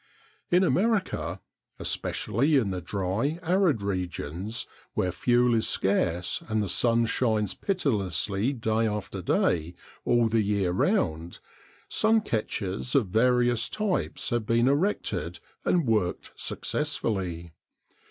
In America, especially in the dry, arid regions, where fuel is scarce and the sun shines pitilessly day after day, all the year round, sun catchers of various types have been erected and worked successfully.